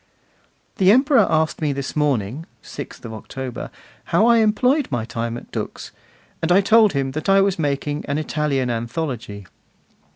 The Emperor asked me this morning, 6th October, how I employed my time at Dux, and I told him that I was making an Italian anthology.